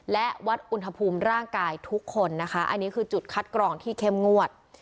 และวัดอุณหภูมิร่างกายทุกคนนะคะอันนี้คือจุดคัดกรองที่เข้มงวด